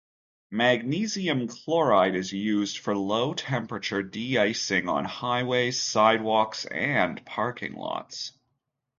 Magnesium chloride is used for low-temperature de-icing of highways, sidewalks, and parking lots.